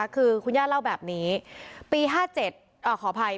คือคุณย่าเล่าแบบนี้ปี๕๗ขออภัย